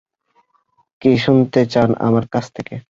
কী শুনতে চান আমার কাছ থেকে?